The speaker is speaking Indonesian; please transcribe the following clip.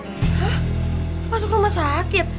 hah masuk rumah sakit